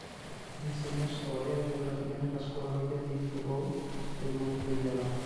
Insegnò storia e geografia nella scuola media di Faubourg de Montbéliard.